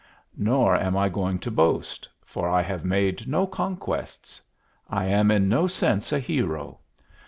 Nor am I going to boast; for I have made no conquests. I am in no sense a hero.